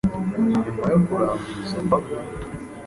Nyuma yo kurandura izo mbago,